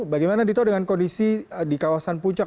bagaimana dito dengan kondisi di kawasan puncak